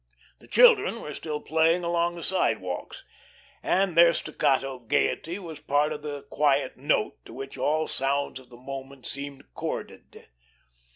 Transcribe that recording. The children were still playing along the sidewalks, and their staccato gaiety was part of the quiet note to which all sounds of the moment seemed chorded.